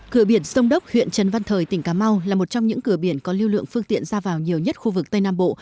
cửa biển sông đốc huyện trần văn thời tỉnh cà mau là một trong những cửa biển có lưu lượng phương tiện ra vào nhiều nhất khu vực tây nam bộ